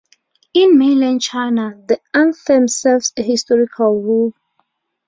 In mainland China, the anthem serves a historical role.